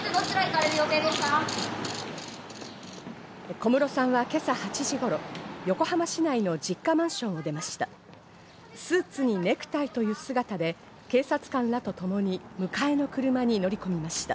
小室さんは今朝８時頃、横浜市内の実家マンションを出ました。